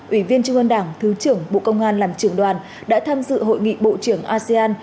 ủy viên trung ương đảng thứ trưởng bộ công an làm trưởng đoàn đã tham dự hội nghị bộ trưởng asean